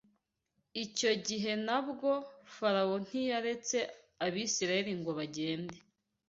Icyo gihe na bwo, Farawo ntiyaretse Abisirayeli ngo bagende